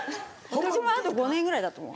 あと５年ぐらいだと思う。